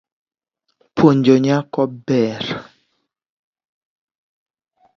Puonjo nyako ber.